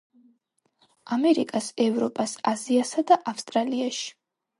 ამერიკას, ევროპას, აზიასა და ავსტრალიაში.